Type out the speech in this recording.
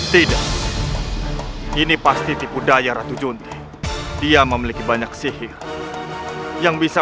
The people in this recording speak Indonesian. tidak ini pasti tipu daya ratu junti dia memiliki banyak sihir yang bisa